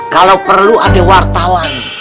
kalau perlu ada wartawan